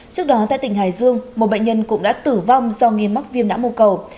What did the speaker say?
trước đó tại tỉnh hải dương một bệnh nhân cũng đã tử vong do nghi mắc viêm não mô cầu